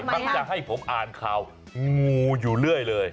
มักจะให้ผมอ่านข่าวงูอยู่เรื่อยเลย